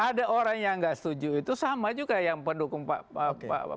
ada orang yang nggak setuju itu sama juga yang pendukung pak prabowo